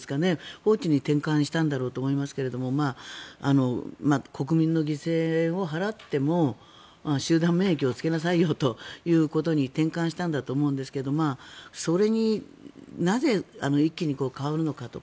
放置に転換したんだろうと思いますが国民の犠牲を払っても集団免疫をつけなさいよということに転換したんだと思うんですがそれになぜ一気に変わるのかとか